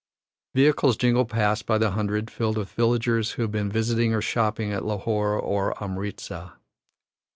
Vehicles jingle past by the hundred, filled with villagers who have been visiting or shopping at Lahore or Amritza.